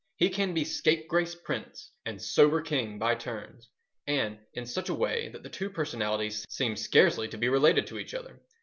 He can be scapegrace prince and sober king by turns, and in such a way that the two personalities seem scarcely to be related to each other.